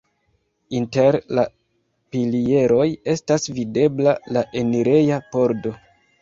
Inter la pilieroj estas videbla la enireja pordo.